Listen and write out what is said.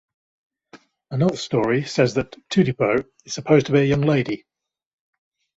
Another story says that Tudipo is supposed to be a young lady.